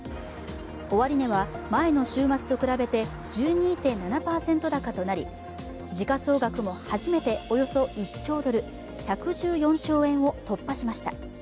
終値は前の週末と比べて１２．７％高となり時価総額も初めておよそ１兆ドル１１４兆円を突破しました。